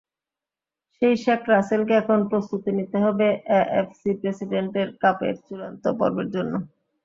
সেই শেখ রাসেলকে এখন প্রস্তুতি নিতে হবে এএফসি প্রেসিডেন্টস কাপের চূড়ান্ত পর্বের জন্য।